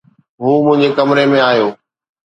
هو منهنجي ڪمري ۾ آيو